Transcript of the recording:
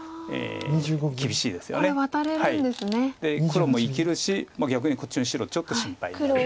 黒も生きるし逆にこっちの白ちょっと心配になる。